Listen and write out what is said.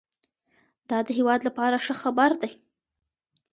دا د هېواد لپاره ښه خبر دی